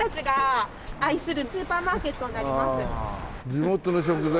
地元の食材？